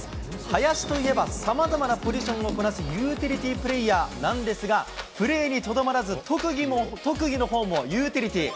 林といえば、さまざまなポジションをこなすユーティリティープレイヤーなんですが、プレーにとどまらず、特技のほうもユーティリティー。